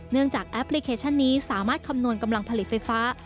จากแอปพลิเคชันนี้สามารถคำนวณกำลังผลิตไฟฟ้า